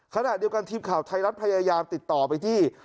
ขณะเดียวกันทีมข่าวไทยรัฐพยายามติดต่อไปที่